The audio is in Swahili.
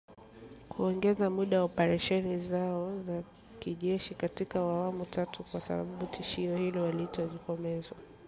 kuongeza muda wa operesheni zao za kijeshi katika awamu ya tatu, kwa sababu tishio hilo halijatokomezwa